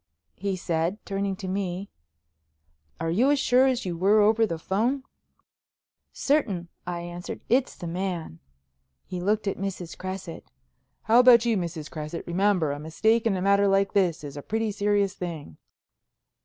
he said, turning to me, "are you as sure as you were over the phone?" "Certain," I answered. "It's the man." He looked at Mrs. Cresset. "How about you, Mrs. Cresset? Remember, a mistake in a matter like this is a pretty serious thing."